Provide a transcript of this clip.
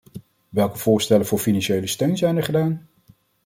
Welke voorstellen voor financiële steun zijn er gedaan?